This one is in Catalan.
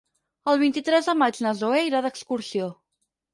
El vint-i-tres de maig na Zoè irà d'excursió.